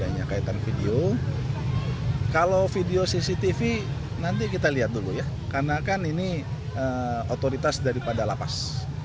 untuk laporan ppatk sendiri apa bagaimana pak